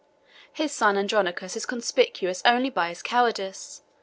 His son Andronicus is conspicuous only by his cowardice.